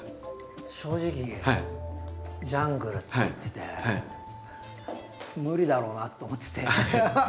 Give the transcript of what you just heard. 正直ジャングルって言ってて無理だろうなと思ってて。